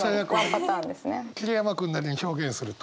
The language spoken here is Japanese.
桐山君なりに表現すると？